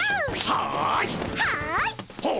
はい！